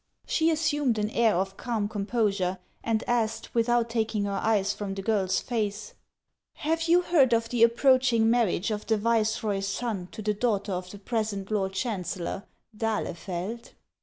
She assumed an air of calm composure, and asked, with out taking her eyes from the girl's face :" Have you heard of the approaching marriage of the viceroy's son to the daughter of the present lord chancellor, d'Ahlefeld?"